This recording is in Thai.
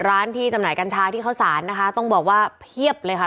ร้านจำหน่ายกัญชาที่เขาศาลตรงบอกว่าพรีเบียบเลยค่ะ